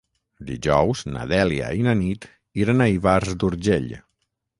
Dijous na Dèlia i na Nit iran a Ivars d'Urgell.